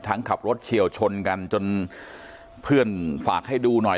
ขับรถเฉียวชนกันจนเพื่อนฝากให้ดูหน่อย